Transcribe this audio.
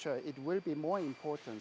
akan lebih penting